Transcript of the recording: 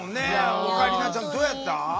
オカリナちゃんどうやった？